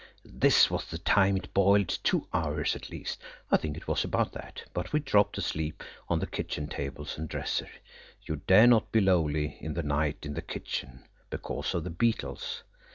This was the time it boiled two hours–at least I think it was about that, but we dropped asleep on the kitchen tables and dresser. You dare not be lowly in the night in the kitchen, because of the beetles.